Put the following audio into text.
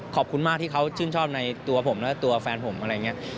ขอบคุณมากที่เขาชื่นชอบในตัวผมและตัวแฟนผมอะไรอย่างนี้